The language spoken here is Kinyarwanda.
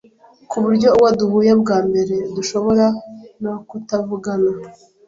ku buryo uwo duhuye bwa mbere dushobora noktuvugana